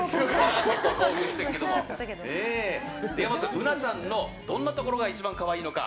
うなちゃんの、どんなところが一番可愛いのか。